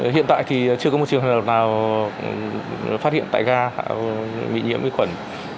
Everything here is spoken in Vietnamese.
hiện tại thì chưa có một trường hợp nào phát hiện tại ga bị nhiễm vi khuẩn